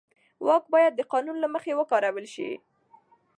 واک باید د قانون له مخې وکارول شي.